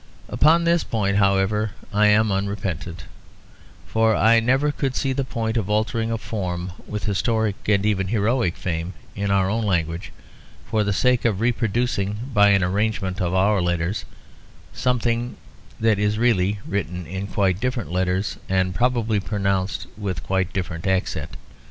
Upon this point, however, I am unrepentant; for I never could see the point of altering a form with historic and even heroic fame in our own language, for the sake of reproducing by an arrangement of our letters something that is really written in quite different letters, and probably pronounced with quite a different accent.